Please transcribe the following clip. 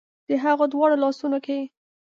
د هغه دواړو لاسونو کې